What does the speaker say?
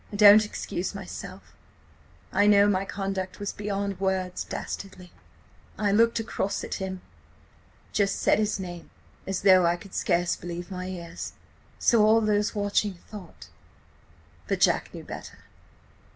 I don't excuse myself–I know my conduct was beyond words dastardly. I looked across at him–just said his name, as though I could scarce believe my ears. So all those watching thought. But Jack knew better.